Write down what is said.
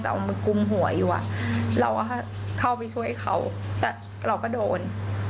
แต่เอามากุมหัวอยู่อ่ะเราก็เข้าไปช่วยเขาแต่เราก็โดน